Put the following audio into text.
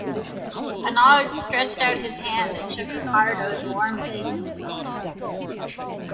Hanaud stretched out his hand and shook Ricardo's warmly.